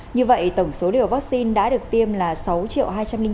như vậy tổng số liều vaccine đã được tiêm là sáu hai trăm linh ba tám trăm sáu mươi sáu liều